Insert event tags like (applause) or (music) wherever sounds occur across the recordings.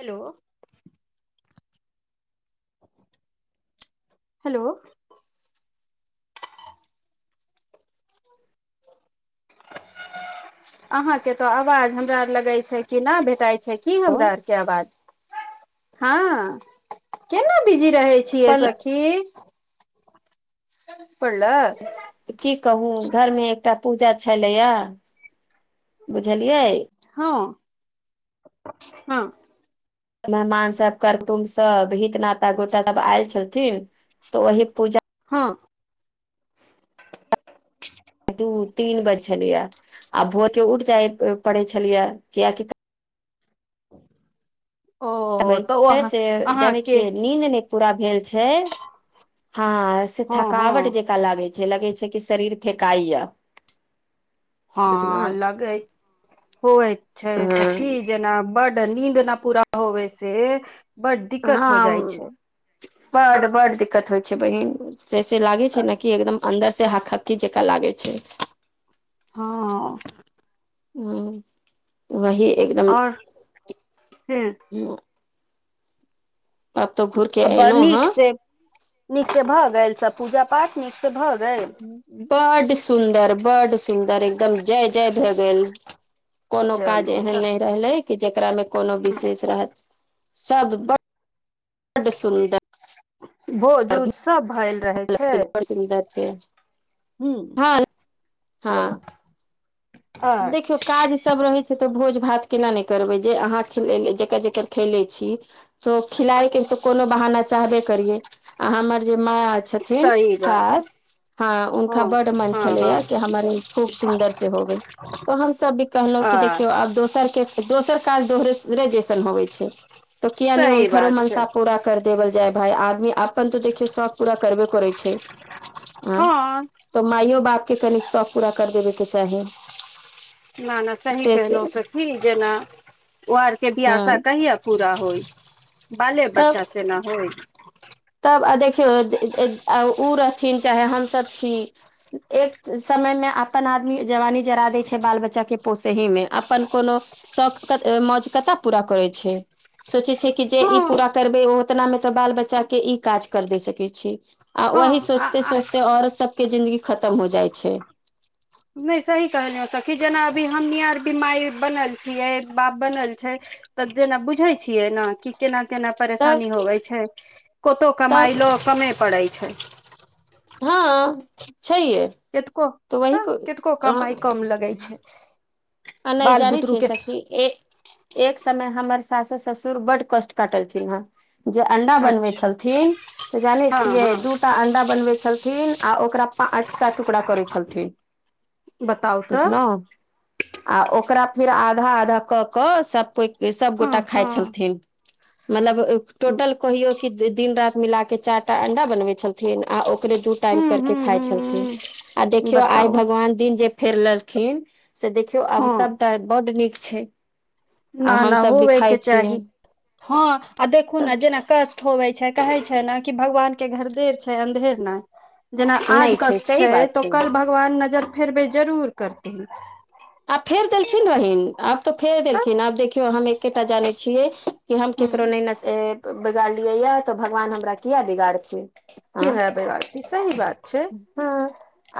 Hello hello (inaudible) अहाँके तऽ आवाज हमरा लग अइछे, केना भेटाइ छै की (inaudible) आवाज हँ केना बिजी रहै छि यै पर सखी प लअ की कहू घरमे एकटा पूजा छलै यै। बुझलियै हँ-हॅं मेहमान सब, करतुनद सब, हित, नात आ गोता सब आयल छलथिन तऽ वही पूजा हँ दू तीन बज छलियै आ भोर के उठ जाय पड़े छलियए कियाकि ओ (inaudible) तऽ ओ बस से जानै अहाँके छियै नींद नै पूरा भेल छै, हँ से हँ हँ थकावट जे लागई छै, लगे छै, कि शरीर फेकाइ य हँ लगै हो छै, सखी हँ जेना बड नींद न पूरा होवै से बड दिक्कत हो हँ जाइ छै बड -बड दिक्कत होइ छय बहिन से -से लागे छै ने कि एकदम अन्दर से हकहक्की जेका लागे छै। हँ - ह वही एकदम आओर ह (inaudible) हूँ घूर के आ बड एलहुं हँ नीक से नीक से भए गेल सब पूजा पाठ नीक से भए गेल। बड सुन्दर बड सुन्दर एकदम जय -जय भए गेल। कोनो काज चलू एहन तऽ नहि रहलै कि जेकरामे कोनो विशेष रहत सब ब बड्ड सुन्दर भोज उज सब भैल रहै। लेकिन बड सुन्दर छै। हुँ हँ हँ चलू देखियौ अच्छा काज सभ रहै छै, तऽ भोज भात केना नहि करबै जे अहाँ खेलेले जकर जेकर खेले छी। तो खिलाय के तो कोनो बहाना चाहबे करिये आ हमर जे माय छथिन सही बात सास हँ उनका हँ बड मन हँ हँ छलैया कि हमारे खूब सुन्दर से होबे तऽ हमसभ भी कहलहुं कि आ देखियौ आब दोसर के दोसर काज दोसरे जैसन होबे छै, तऽ किया नई सही हुनखरो बात छै मनसा पूरा कर देवल जाय भाय आदमी अपन तो देखियौ शौख पूरा करबे करै छै। आँ हँ तऽ माइयो बापके कनी शौक पूरा कर देबेके चाही ना - ना सही से से कहलहु सखी जेना ओ आरके ब्यासा हँ कहियौ पूरा होइ बाले तब बच्चासँ न होइ तब आ देखियौ जे आ उँ रहथिन चाहे हमसभ छी। एक समय मे अपन आदमी जवानी जरा दै छै, बाल बच्चा के पोसहैं मे अपन कोनो शौक मौज कत पूरा करै छै। सोचै छै, कि जे ई हँ पूरा करबै ओ ओतनामे तऽ बाल बच्चा के ई काज कर दे सकै छी, आ वही हँ आ सोचते आ -सोचते औरत सब के जिन्दगी खतम हो जाइ छै। नहि सही कहलिय सखी जेना अभी हमही आर भी माय बनल छियै, बाप बनल छै, तऽ जेना बुझै छियै नऽ, कि केना - केना तब परेशानी होवै छै, कोतो कमाइ तब लो कमे पड़ै छै। हँ छैहे कतको तऽ वही तब को कतको कमाइ कम लगै छै। आ नइ बाल जान बुतरू छिय के सखी ए एक समय हमर सासो, ससुर बड्ड कष्ट काटलथिन हेँ जे अंडा बनबै अच्छा छलथिन तऽ जानै हँ छियै हँ दू टा अंडा बनबै छलथिन आ ओकरा पाँच आ टा टुकड़ा करै छलथिन बताउ तऽ बुझलौं। आ ओकरा फेर आधा आधा कऽ कऽ सभ कोइ हँ सभगोटा खाइ हँ छलथिन। मतलब टोटल कहियो कि दिन राति मिला क चारि टा अंडा बनबै छल थिन आ ओकरे दु टाइम हूँ कर के हूँ खाय छलथिन आ हूँ देखियो आइ बताउ भगवान दिन जे फेर लेलखिन से देखियौ आब हँ सबटा बड नीक छै। न आब न हमसभ भी खाइ होबेके छियै चाही, हँ आ देखू तऽ न जेना कष्ट होबे छै, कहै छै ने कि भगवान के घर देर छै अन्धेर नइ। जेना आज नहि कष्ट सही छै बात तऽ ओ कल भगवान नजरि फेरबै जरूर करथिन। आ फेर देलखिन बहिन। आब तऽ फेर तऽ देलखिन, आब देखियौ हम एकेटा जानै छियै कि हम ह केकरो नहि नस बिगाड़लियै या तऽ भगवान हमरा किया बिगाड़थिन। किया बिगाड़थिन सही बात छै। हं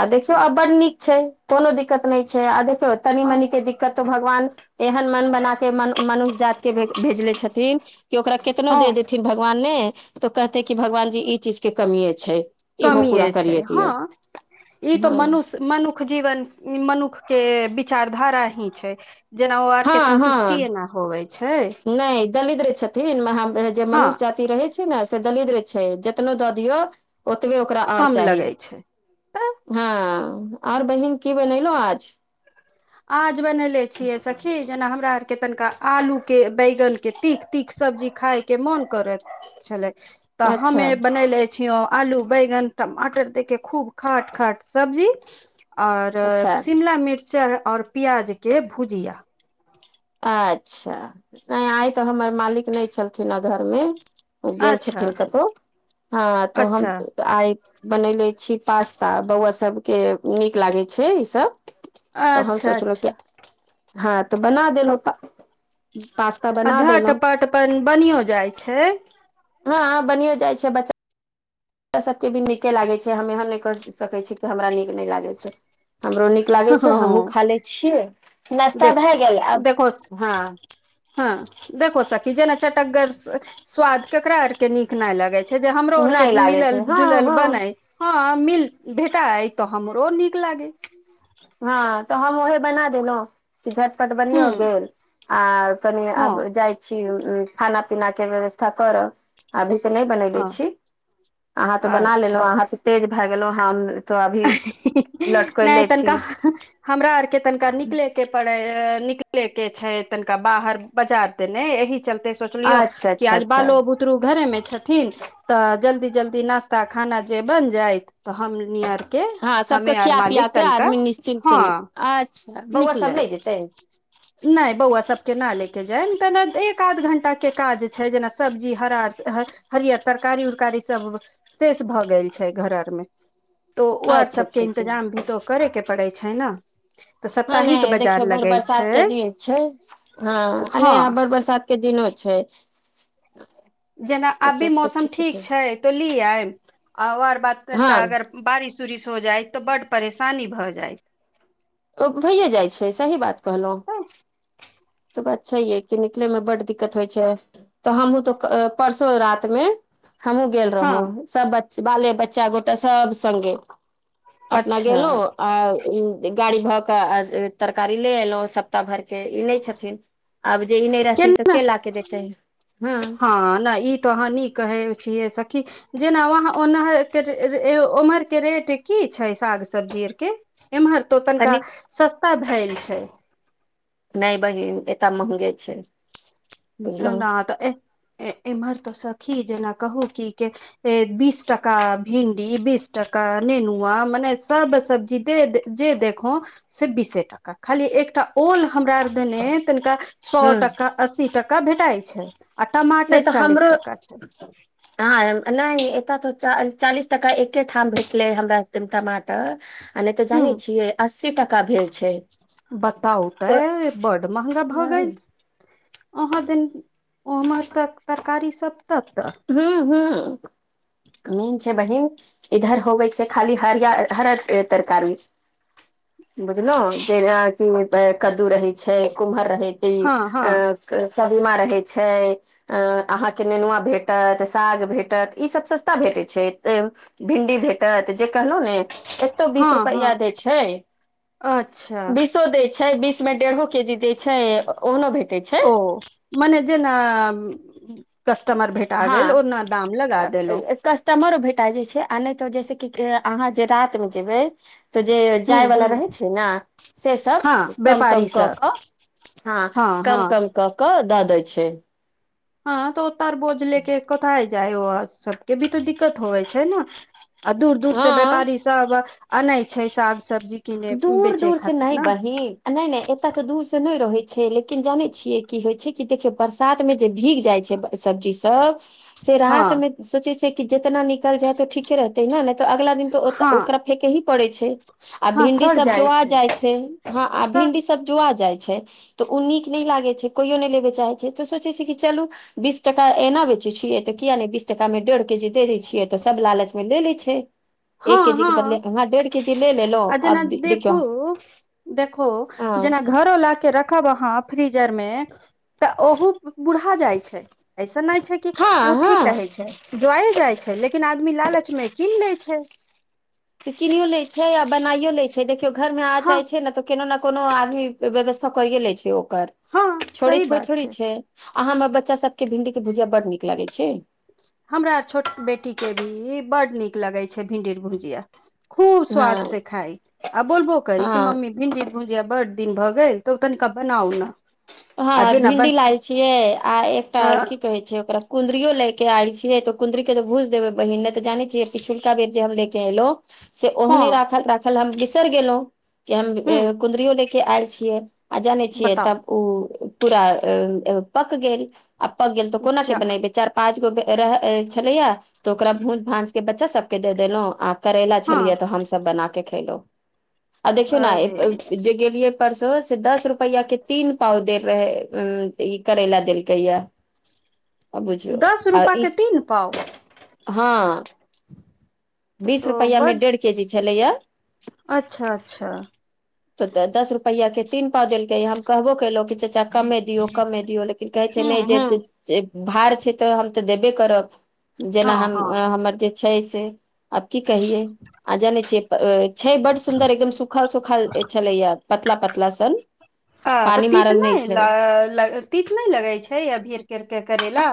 आ देखियौ आ बड नीक छै कोनो दिकत नहि छै, आ देख तनी हँ मनी के दिक्कत त भगवान एहन मन बना के मन मनुष्य जाति के भेजले छथिन। कि ओकरा केतनो हँ दे देथिन भगवान ने तऽ कहतै कि भगवान जी ई चीजके कमिए छै। इहो कमिये पूरा छै करिये हँ दियौ ई तऽ हँ मनुष्य मनुख जीवन इ मनुख के विचारधारा ही छै। जेना ओ आर के संन्तुष्टि ना होवै छै। नै दरिद्र छ थीं महा जे हँ मनुष्य जाति रहै छै ने से दरिद्र छै जेतनो दऽ दियौ ओतबे ओकरा आर कम चाही। लगै छै तऽ हँ और बहिन की बनेलौं आज? आज बनैले छियै सखी जेना हमरा आरके तनिका आलूके बैगनके तीख तीख सब्जी खायके मोन करत छले तऽ हममे अच्छा बनेलै छिऔ आलू बैगन टमाटर देके खूब खाट खाट सब्जी और अच्छा शिमला मिर्च और प्याजके भुजिया। अच्छा नइ आइ तऽ हमर मालिक नहि छलथिन धर मे ओ गेल अच्छा छथिन कतहु हँ तऽ हम अच्छा आइ बनेले छी पास्ता बौआ सबके नीक लागे छै ई सब तऽ हम अच्छा सोचलहुं अच्छा कि हँ तऽ बना देेलौं त आ झट पट अपन बनियो जाइ छै। हँ बनियो जाइ छै बच्चा सबके भी नीके लागै छै हम एहन नइ कहि सकै छी कि हमरा नीक नइ लागै छै। हमरो नीक लागै हँ छै हमहुँ खा ले छियै नास्ता भए देखो गेल आब, देखो हँ हँ देखु सखी जेना चटकगर स्वाद केकरा आर के नीक न लगै छै जे हमरो आर के नहि लागैत मिलल हँ जुलल हँ बनै। हँ मिल भेटाइ तऽ हमरो नीक लागै। हँ तऽ हम ओहे बना देलहुँ झटपट बनियो हूँ गेल आ कनि आब हँ जाइ छी खाना पीना के व्यवस्था करब। अभी तऽ नहि बनेले छी, अहाँ त बना अच्छा लेलहु अहाँ त तेज भए गेलो हम त अभी नहि लटकैले तनिका छी। हमरा आर के तनिका निकले के पर निकले के छै तनिका बाहर बजार के नै एहि चलते सोच लियौ अच्छा अच्छा आज अच्छा बालो बु बुतरू घरे में छथिन तऽ जल्दी- जल्दी नास्ता खाना जे बन जायत त हमनि अर के हँ सबके हमे आर खिया पिया मालिक के तनिका आदमी निश्चिन्त से नि हँ अच्छा बौआ सब निकले नहि जेतै नै बौवा सभके न ले के जायब तेना एक आध घण्टा के काज छै जेना सब्जी हरा हरियर तरकारी - उरकारी सब शेष भऽ गेल छै घर आर मे। तो ओ आर अच्छा सबके अच्छा अच्छा इन्तजाम भी तो करै के पड़ै छै न। ह नै देखियौ बड़ बरसात के दिन छै, हँ आ हँ नै बड़ बरसात के दिनो छै। जेना तऽ अभी से तऽ मौसम ठीके ठीक छै तो लि आएब आ और बाद कनिका हँ अगर बारिश - उरिश हो जाइत त बड्ड परेशानी भऽ जाइत। ओ भइये जाइ छै सही बात कहलहुँ। त बात छइहे कि निकलै मे बड्ड दिक्कत होइ छै आब। त हमहूॅं त परसो रात मे हमहुॅं गेल हँ रहौं। सब बच - बाले बच्चा गोटा सब संगे अपना अच्छा गेलौं आ गाड़ी भऽ के तरकारी ले एलहुॅं सब त भरके ई नै छथिन आब जे ई नै रहथिन त के ला के देतै हँ। हॅं नै इ त अहाँ नीक कहै छियै सखी जेना वहाँ ओनहरके रे- रे-उम्हरके रेट की छै साग सब्जी आर के? एम्हर तो तनिका कनिक सस्ता भेयल छै। नै बहिन एतऽ महंगे छै। बुझलहुँ ना तऽ एह- एम्हर त सखी जेना कहू की के बीस टका भिन्डी, बीस टका नेनुवां, मने सब सब्जी दे देत। जे देखो से बीसे टका खाली एकटा ओल हमरा आर देने ए तनिका सौ हँ टका अस्सी टका भेटाई छै आ नहि टमाटर तऽ चालीस हमरो टका छै। हँ नहि एतऽ तऽ चालीस टाका एके ठाम भेटलै हमरा टमाटर आ नै तऽ जानै हूँ छियै अस्सी टका भेल छै। बताउ तेऽ बड्ड महगा भऽ गेल अहाँ दैन ओम्हर त तरकारी सभ तत्तऽ हूं हूं। मीन छै बहिन इधर होवै छै खाली हरिया - हररके तरकारी। (inaudible) बुझलहु जेना कि कद्दू रहै छै कुमहर रहे ती हँ हँ अ कदीमा रहै छै अ अहाँ के नेनुवां भेट भेटत, साग भेटत ई सब सस्ता भेटै छै। भिंडी भेटत जे कहलहु ने एतौ बीस हँ रुपैया हँ दै छै। अच्छा बीसो दै छै बीस मे डेढ़ो के जी दै छै ओहनो भेटै छै। ओ मने जेना कस्टमर भेटा हँ गेल ओ कस्टमरो भेटा जाइ छै आ नै तऽ जैसे कि कि अहाँ जे रातिमे जेबै तऽ जे हूँ जाय हूँ बला रहै छै ने से सब हँ कम- व्यापारी कम कऽ, सब कऽ हँ कम - कम कऽ कऽ दऽ दै छै। हँ तऽ ओतर बोझ ले के कतय जाइ सबके भी तऽ दिक्कत होवै छै ने। आ दूर- दूर से हँ व्यापारी सब अनै छै साग - सब्जी। किने दूर बेचे -दूर से खातिर नै ने बहिन नै नै एतय तऽ दूर से नै रहै छै लेकिन जानै छियै की होइ छै कि देखियौ बरसात मे जे भीग जाइ छै सब्जी सब से रात में हँ सोचे छै, कि जेतना निकल जाय तो ठीक ठीके रहते न ने तऽ अगला दिन हँ तऽ ओकरा फेके ही पड़े छै। आ भिंडी सब जोआ जाइ छै, हँ आ तऽ भिंडी सब जोआ जाइ छै। तऽ ओ नीक नई लागैत छै कोयो नई लेबय चाहैत छै, तऽ सोचैत छी, कि चलू बीस टाका एना बेचै छियै तऽ किया नै बीस टाकामे डेढ़ के जी दे दै छियै तऽ सभ लालचमे ले लैत छै। एक के जी के बदले हँ डेढ़ के जी ले ले लो आ जेना देखू देखो हँ जेना घरो ला के रखब अहाँ फ्रीजर मे तऽ ओह बुढ़ा जाय छै, ऐसन नहि छै कि हँ ओ ठीक रहै हँ छय, जोइल जाइ छै, लेकिन आदमी लालचमे कीन लै छै। त किनियो लै छै, आ बनाइयो लै छै, देखियौ घरमे आ हँ जाह छै न तऽ, कोनो ने कोनो आदमी व्यवस्था करे ले छै, ओकर हँ छोड़े सही छोड़ बात थोड़ी छै। आँ हमर बच्चा सभके भिंडी के भुजिया बड्ड नीक लगै छै। हमरा छोट बेटीके भी बड्ड नीक लगै छै, भिण्डी भुजिआ। खूब हँ स्वद से खाय आ बोलबो करी की हँ मम्मी भिंडी भुजिया बड दिन भऽ गेल तऽ तनिका बनाउ न। हँ भिंडी लैल छियै, आ एकटा हँ की कहे छै ओकरा कुद्रियो ले के आयलिय छिये, त कुद्ररी के तऽ भूज देबे बहिन नै त जाने छियै, पिछुलका बेर जे हम लेके एलहुँ से ओहने राखल राखल हम बिसइर गेलहुँ के हम ह कुद्रियो ले के आयल छियै आ जाने छियै, बताउ तब ओ पूरा पक गेल आ पक गेल तऽ कोना के जा बनेब चार पाँच गो रह छलैया तो ओकरा भूंज भाज के बच्चा सबके द देलो आप करैला हँ छलियै तऽ हमस बना के खेलहु आ देखियौ नऽ अरे जे गेलियै परसो से दस रुपैआ के तीन पाव दे रहै ई करैला देलकैया आ बुझयो दस आ रुपआ ई के तीन पाव हँ बीस तो रुपैआमे बड डेढ़ के जी छलैए। अच्छा अच्छा तो तऽ दस रुपआ के तीन पाव देलके य हम कहबो कलो कि चाचा कमे दियौ कमे दियौ लेकिन कहै छै हूँ ने जे हूँ से भार छै, तऽ हम तऽ देबे करब जेना हँ हम हँ हमर जे छय सें आब की कहियए आ जाने छियै। अ छै बड सुन्दर एकदम सुखल - सुखल छलैया पतला पतला सन आ तऽ पानी तित मारल नहि नइ छै लागल तित नई लगै छै अभी अर के कर के करेला?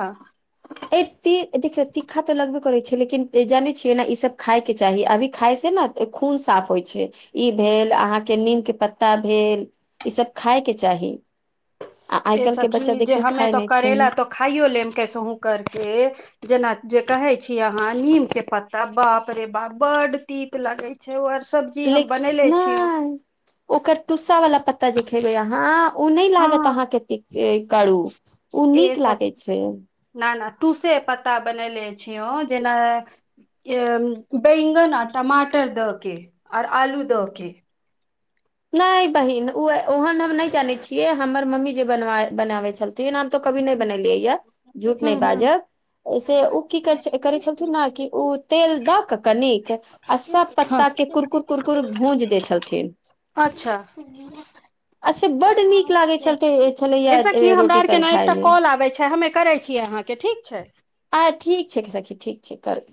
अ ती देखियौ तीखा तऽ लगबे करै छै, लेकिन जाने छियै, नऽ ई सब खाय के चाही अभी खाइ सै नऽ खून साफ होइ छै, ई भेल अहाँके नीम के पत्ता भेल ई सब खायके चाही आ आइ ए काईल्ह के बच्चा सखी जे देखियौ हमे खाय तो नहि छै। करेला तो खाइयो लेब कैसहुँ करिके जेना जे कहे छी, अहाँ नीम के पत्ता बाप रे बाप बड तीत लगे छै, आर सब। लेकिन नय ओकर टुस्सा वाला पत्ता जे खेबै अहाँ ओ नई लागत हँ अहाँ कतेक करू। ओ ए नीक सब लागै छै ना - ना तूसे पत्ता बनेले छियौ जेना बैंगन आ टमाटर द के आओर आलू द के नैय बहिन ओ ओहन हम नई जानै छियै हमर मम्मी जे बनाबै छल तेहन हम तऽ कभी नहि बनेलियै या झूठ हूँ नई हूँ बाजब - - से ऊ की कर करै छलथिन न कि ओ तेल दऽ कऽ कनिक अ सब हँ पत्ता के कुरकुर कुरकुर भूज दै छलथिन। अच्छा आ से बड्ड नीक लागै छल ऐ छलैया सखि हमरा रोटी बाहर के संग नयि खाय मे आबै छै हमे करै छियै अहाँ के ठीक छै। आ ठीक छै सखी ठीक छै कर